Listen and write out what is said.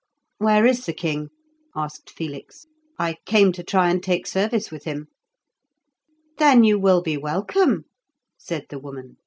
"Where is the king?" asked Felix; "I came to try and take service with him." "Then you will be welcome," said the woman.